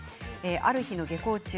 ある日の下校中